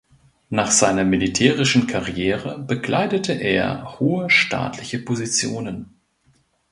Nach seiner militärischen Karriere bekleidete er hohe staatliche Positionen.